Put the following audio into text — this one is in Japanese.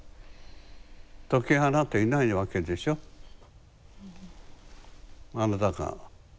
解き放っていないわけでしょあなたが。